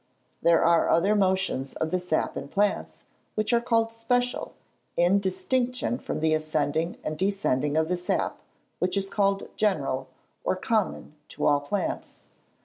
There are other motions of the sap in plants, which are called special, in distinction from the ascending and descending of the sap, which is called general, or common to all plants.